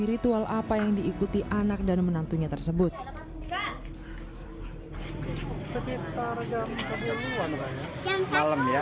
ritual apa yang diikuti anak dan menantunya tersebut kita regang regang luar malam ya